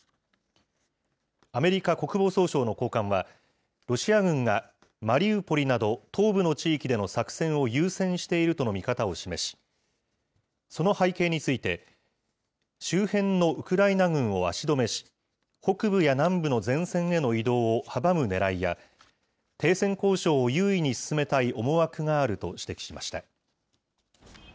アメリカ国防総省の高官は、ロシア軍がマリウポリなど、東部の地域での作戦を優先しているとの見方を示し、その背景について、周辺のウクライナ軍を足止めし、北部や南部の前線への移動を阻むねらいや、停戦交渉を優位に進めたい思惑があると指摘しました。